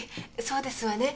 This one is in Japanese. そうですわね。